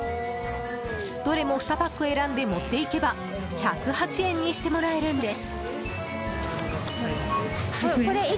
どれも２パック選んで持っていけば１０８円にしてもらえるんです。